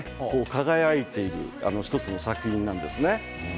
輝いている１つの作品なんですね。